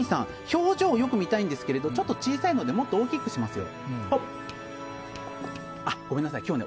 表情をよく見たいんですけどもちょっと小さいのでもっと大きくしましょう。